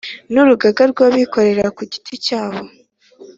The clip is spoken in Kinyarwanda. n Urugaga rw Abikorera ku giti cyabo